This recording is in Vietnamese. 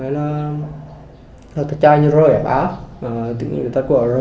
và các chai như rơi ở á tự nhiên là tất cả radio